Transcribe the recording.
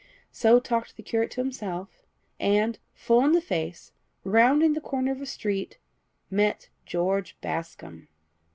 So talked the curate to himself, and, full in the face, rounding the corner of a street, met George Bascombe.